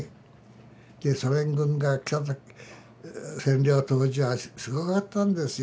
ソ連軍が占領当時はすごかったんですよ。